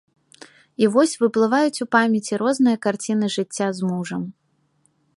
І вось выплываюць у памяці розныя карціны жыцця з мужам.